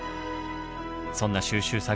そんな収集作業